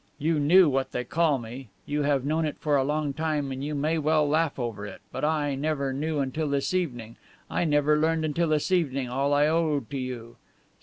You knew what they call me. You have known it for a long time, and you may well laugh over it. But I, I never knew until this evening; I never learned until this evening all I owe to you.